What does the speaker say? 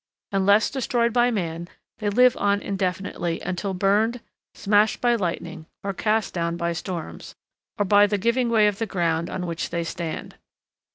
Unless destroyed by man, they live on indefinitely until burned, smashed by lightning, or cast down by storms, or by the giving way of the ground on which they stand.